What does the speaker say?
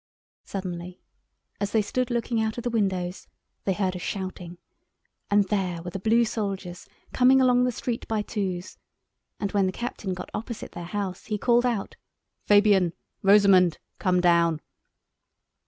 Suddenly, as they stood looking out of the windows, they heard a shouting, and there were the blue soldiers coming along the street by twos, and when the Captain got opposite their house he called out— "Fabian! Rosamund! come down!"